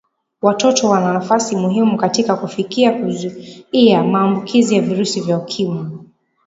watoto wana nafasi muhimu katika kufikia kuzuia maambukizi ya virusi vya ukimwi